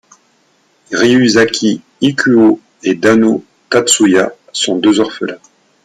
Ryuuzaki Ikuo et Danno Tatsuya sont deux orphelins.